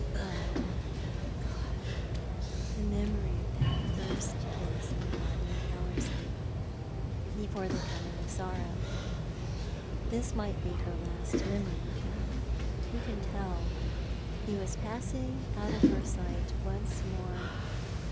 Oh, God! the memory of that first kiss in the garden at Ellerslie, before the coming of sorrow. This might be her last memory of him. AVho can tell? He was i)assing out of her sight once more.